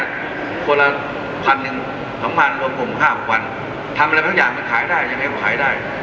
คนละพันหนึ่งสามพันรวมกลุ่มห้าหกวันทำอะไรทั้งอย่างมันขายได้ยังไงก็ขายได้